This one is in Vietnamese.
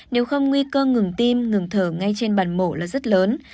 nếu không nguy cơ ngừng tim ngừng thở ngay trên bàn mổ là rất lớn